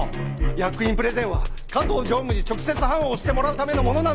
役員プレゼンは加藤常務に直接判を押してもらうためのものなんだ！